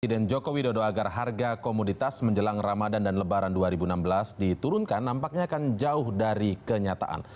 presiden joko widodo agar harga komoditas menjelang ramadan dan lebaran dua ribu enam belas diturunkan nampaknya akan jauh dari kenyataan